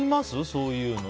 そういうの。